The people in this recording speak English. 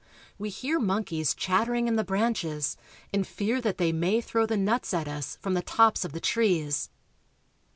We hear monkeys chattering in the branches, and fear that they may throw the nuts at us from the tops of the trees.